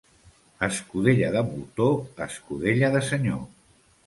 Escudella de moltó, escudella de senyor.